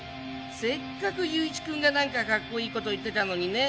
せっかく友一くんがなんかかっこいい事言ってたのにね。